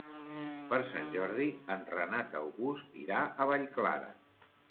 Per Sant Jordi en Renat August irà a Vallclara.